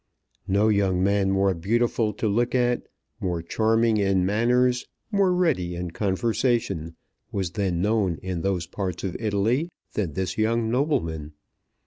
No young man more beautiful to look at, more charming in manners, more ready in conversation, was then known in those parts of Italy than this young nobleman.